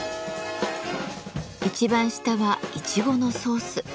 一番下はイチゴのソース。